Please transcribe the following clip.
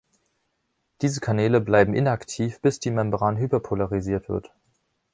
Diese Kanäle bleiben inaktiv, bis die Membran hyperpolarisiert wird.